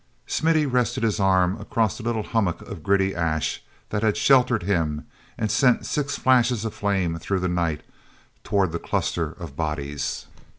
Smithy rested his arm across the little hummock of gritty ash that had sheltered him and sent six flashes of flame through the night toward the cluster of bodies.